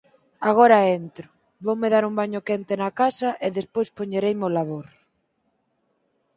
Agora entro, voume dar un baño quente na casa e despois poñereime ó labor...